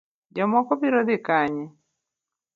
Jomoko biro dhi kanye?